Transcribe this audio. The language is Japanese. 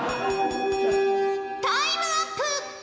タイムアップ！